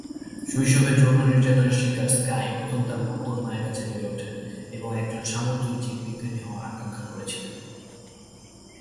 শৈশবে যৌন নির্যাতনের শিকার, স্কাই প্রথম তার মদ্যপ মায়ের কাছে বেড়ে ওঠেন এবং একজন সামুদ্রিক জীববিজ্ঞানী হওয়ার আকাঙ্ক্ষা করেছিলেন।